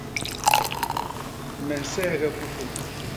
Me nseghe fufu